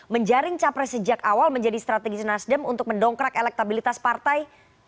menjaring capres sejak awal menjadi strategi nasdem untuk mendongkrak elektabilitas partai